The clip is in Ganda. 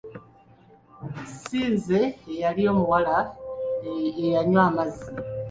Si nze eyali omuwala eyanywa amazzi!